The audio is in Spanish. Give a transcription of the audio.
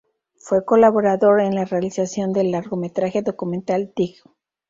Fue colaborador en la realización del largometraje documental "Dig!